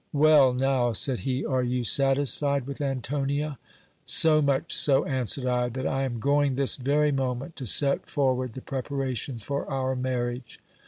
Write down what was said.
Well, now ! said he, are you satisfied with Antonia ? So much so, answered I, that I am going this very moment to set forward the preparations for our marriage.